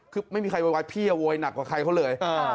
คือไม่มีใครโวยวายพี่โวยหนักกว่าใครเขาเลย